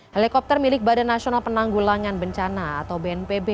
helikopter milik badan nasional penanggulangan bencana atau bnpb